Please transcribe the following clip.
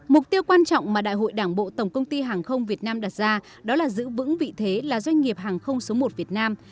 mục tiêu quan trọng mà đại hội đảng bộ tổng công ty hàng không việt nam đặt ra đó là giữ vững vị thế là doanh nghiệp hàng không số một việt nam